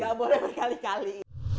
tidak boleh berkali kali